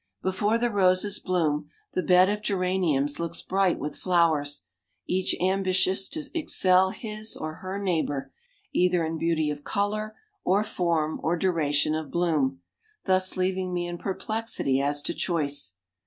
Before the roses bloom, the bed of geraniums looks bright with flowers, each ambitious to excel his or her neighbor, either in beauty of color, or form, or duration of bloom, thus leaving me in perplexity as to choice.